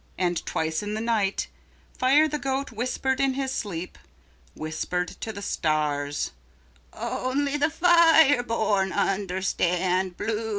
And twice in the night, Fire the Goat whispered in his sleep, whispered to the stars, "Only the fire born understand blue."